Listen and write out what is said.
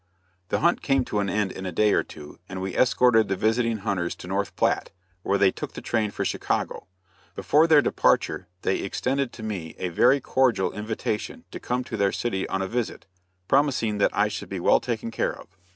The hunt came to an end in a day or two, and we escorted the visiting hunters to North Platte, where they took the train for Chicago. Before their departure they extended to me a very cordial invitation to come to their city on a visit, promising that I should be well taken care of.